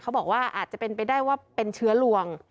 เขาบอกว่าอาจจะเป็นไปได้ว่าเป็นเชื้อลวง